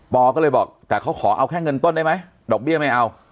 อก็เลยบอกแต่เขาขอเอาแค่เงินต้นได้ไหมดอกเบี้ยไม่เอา